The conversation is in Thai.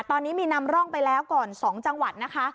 ตอนนี้มีนำร่องไปแล้วก่อน๒จังหวัดนะคะ